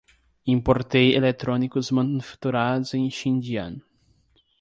Importei eletrônicos manufaturados em Xinjiang